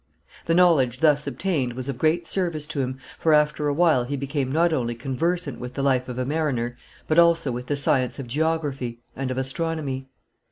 The knowledge thus obtained was of great service to him, for after a while he became not only conversant with the life of a mariner, but also with the science of geography and of astronomy.